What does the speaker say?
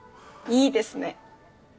いいですね。